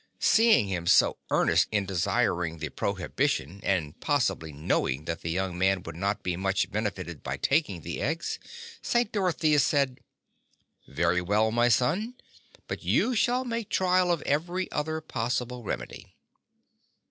Seeing him so earnest in desiring the prohibition, and prob ably knowing that the young man would not be much bene fited by taking the eggs, St. Dorotheus said: "Very well, my son ; but you shall make trial of every other possible remedy."